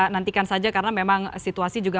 nantikan saja karena memang situasi juga